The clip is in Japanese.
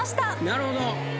なるほど。